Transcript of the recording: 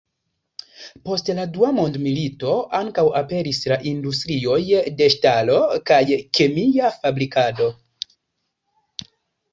Post la dua mondmilito ankaŭ aperis la industrioj de ŝtalo kaj kemia fabrikado.